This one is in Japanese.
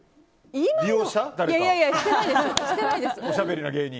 おしゃべりな芸人。